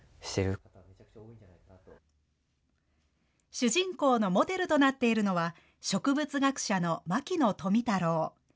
主人公のモデルとなっているのは、植物学者の牧野富太郎。